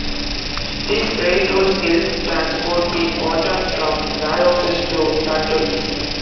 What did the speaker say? These railroads helped transport the cotton from warehouses to factories.